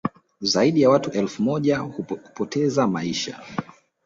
zaidi ya watu elfu moja kupoteza maisha